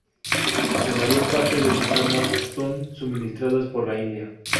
La mayor parte de sus armas son suministradas por la India.